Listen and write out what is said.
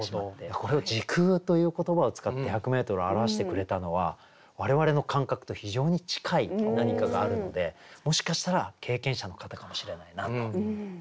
これを「時空」という言葉を使って１００メートルを表してくれたのは我々の感覚と非常に近い何かがあるのでもしかしたら経験者の方かもしれないなと感じますよね。